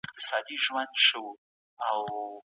برعکس، په ګډ ژوند، ورورولۍ، تفاهم او یو بل منلو